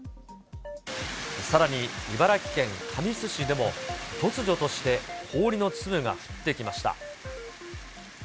さらに茨城県神栖市でも、突如として、氷の粒が降ってきました。